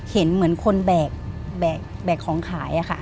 เห็นเหมือนคนแบ่งของขาย